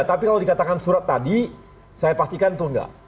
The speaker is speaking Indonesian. tapi kalau dikatakan surat tadi saya pastikan itu enggak